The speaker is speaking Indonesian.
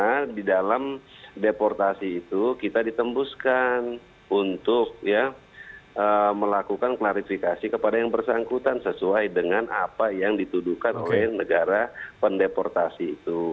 karena di dalam deportasi itu kita ditembuskan untuk melakukan klarifikasi kepada yang bersangkutan sesuai dengan apa yang dituduhkan oleh negara pendeportasi itu